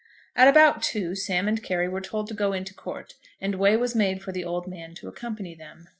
At about two Sam and Carry were told to go into Court, and way was made for the old man to accompany them.